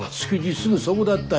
すぐそごだったよ。